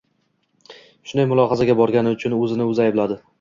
shunday mulohazaga borgani uchun... o‘zini-o‘zi aybladi.